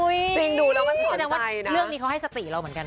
จริงดูแล้วก็แสดงว่าเรื่องนี้เขาให้สติเราเหมือนกัน